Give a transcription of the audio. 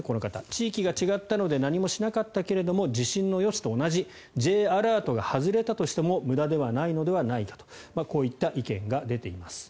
地域が違ったので何もしなかったけれど地震の予知と同じＪアラートが外れたとしても無駄ではないのではないかこういった意見が出ています。